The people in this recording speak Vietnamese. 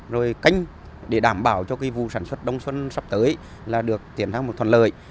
rồi canh để đảm bảo cho vụ sản xuất đông xuân sắp tới là được tiến hành một thuận lợi